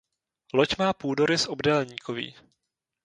Loď má půdorys obdélníkový.